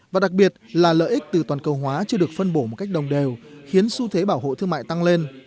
và đặc biệt là lợi ích từ toàn cầu hóa chưa được phân bổ một cách đồng đều khiến xu thế bảo hộ thương mại tăng lên